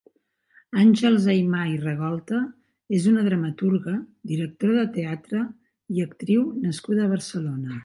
Àngels Aymar i Ragolta és una dramaturga, directora de teatre i actriu nascuda a Barcelona.